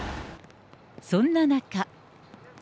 そんな中。